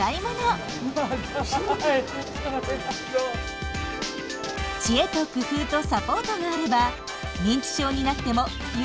知恵と工夫とサポートがあれば認知症になっても豊かに暮らせる。